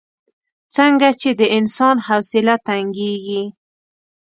څنګه چې د انسان حوصله تنګېږي.